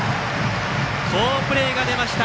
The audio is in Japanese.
好プレーが出ました